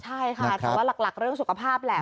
ใช่ค่ะแต่ว่าหลักเรื่องสุขภาพแหละ